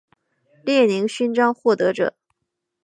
列宁勋章获得者。